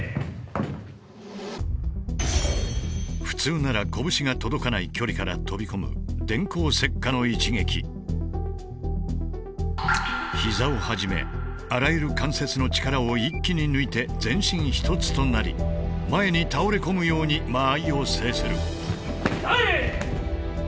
普通なら拳が届かない距離から飛び込む膝をはじめあらゆる関節の力を一気に抜いて全身一つとなり前に倒れ込むように間合いを制する。